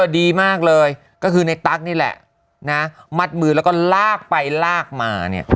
ดีมากเลยก็คือในตั๊กนี่แหละนะมัดมือแล้วก็ลากไปลากมาเนี่ย